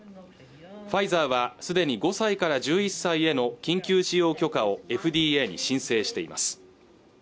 ファイザーはすでに５歳から１１歳への緊急使用許可をＦＤＡに申請しています